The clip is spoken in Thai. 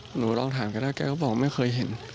หนูลองถามแกได้แกก็บอกไม่เคยเห็น